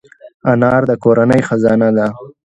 انا د کورنۍ خزانه ده